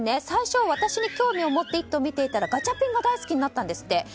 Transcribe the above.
最初、私に興味をもって「イット！」を見ていたらガチャピンが大好きになったんですって。